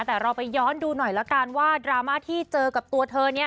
แต่เราไปย้อนดูหน่อยละกันว่าดราม่าที่เจอกับตัวเธอเนี่ย